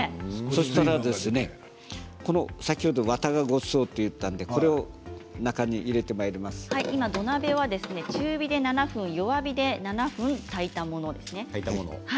そうしたら先ほどわたがごちそうと言ったので土鍋は中火で７分弱火で７分炊いたものですね。